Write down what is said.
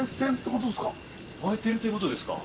湧いてるっていうことですか？